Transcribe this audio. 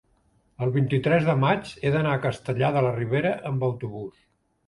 el vint-i-tres de maig he d'anar a Castellar de la Ribera amb autobús.